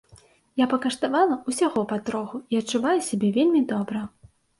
Я пакаштавала ўсяго патроху і адчуваю сябе вельмі добра.